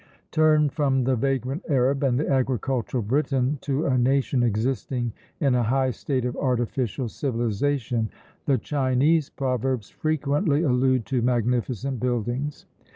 Turn from the vagrant Arab and the agricultural Briton to a nation existing in a high state of artificial civilization: the Chinese proverbs frequently allude to magnificent buildings.